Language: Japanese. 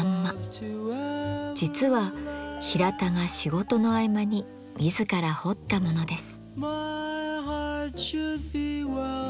実は平田が仕事の合間に自ら彫ったものです。